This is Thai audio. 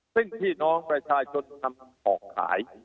ซึ่งพี่น้องประชาชนทำออกขาย